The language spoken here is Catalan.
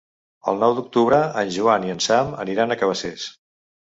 El nou d'octubre en Joan i en Sam aniran a Cabacés.